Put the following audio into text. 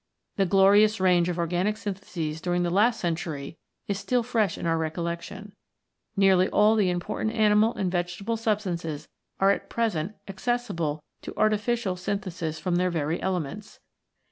The glorious range of organic syntheses during the last century is still fresh in our recollection. Nearly all the important animal and vegetable sub stances are at present accessible to artificial 8 BIOLOGY AND CHEMISTRY synthesis from their very elements.